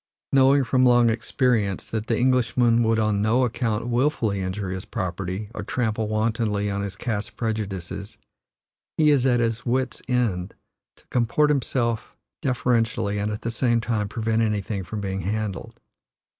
Knowing, from long experience, that the Englishman would on no account wilfully injure his property or trample wantonly on his caste prejudices, he is at his wits' end to comport himself deferentially and at the same time prevent anything from being handled.